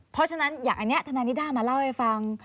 เพราะฉะนั้นอย่างอันนี้ทนายนิด้ามาเล่าให้ฟัง